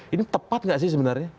ini tepat nggak sih sebenarnya